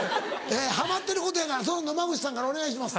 ハマってることやからその野間口さんからお願いします。